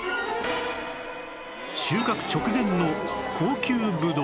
収穫直前の高級ぶどう